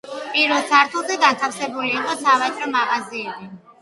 პირველ სართულზე განთავსებული იყო სავაჭრო მაღაზიები.